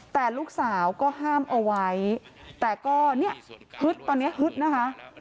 แต่ลูกสาวก็ห้ามเอาไว้แต่ก็เนี่ยฮึดตอนนี้ฮึดนะคะ